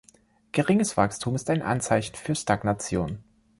Geringes Wachstum ist ein Anzeichen für Stagnation.